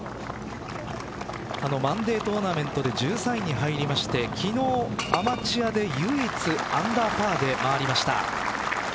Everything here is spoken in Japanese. マンデートーナメントで１３位に入りまして昨日アマチュアで唯一アンダーパーで回りました。